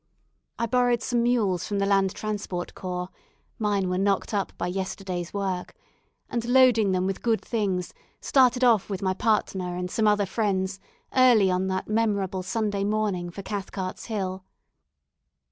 I borrowed some mules from the Land Transport Corps mine were knocked up by yesterday's work and loading them with good things, started off with my partner and some other friends early on that memorable Sunday morning for Cathcart's Hill.